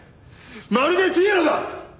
まるでピエロだ！